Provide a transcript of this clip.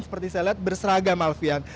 seperti saya lihat berseragam alfian